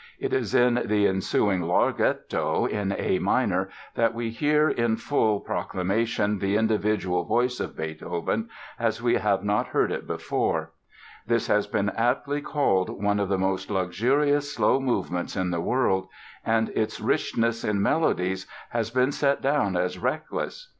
It is in the ensuing Larghetto in A major that we hear in full proclamation the individual voice of Beethoven as we have not heard it before. This has been aptly called one of the most luxurious slow movements in the world, and its richness in melodies has been set down as "reckless."